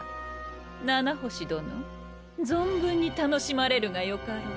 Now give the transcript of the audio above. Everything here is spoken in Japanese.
七星殿存分に楽しまれるがよかろう。